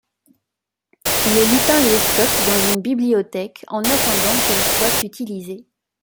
Les lutins les stockent dans une bibliothèque en attendant qu'elles soient utilisées.